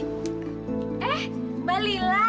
eh mbak lila